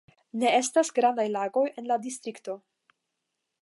Ne estas grandaj lagoj en la distrikto.